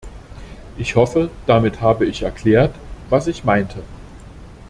Ich hoffe, damit habe ich erklärt, was ich meinte.